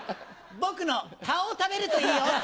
僕の顔を食べるといいよ。